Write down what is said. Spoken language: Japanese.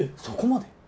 そこまで？